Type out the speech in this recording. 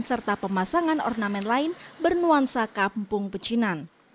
serta pemasangan ornamen lain bernuansa kampung pecinan